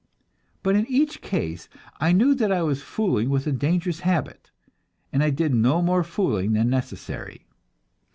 But in each case I knew that I was fooling with a dangerous habit, and I did no more fooling than necessary.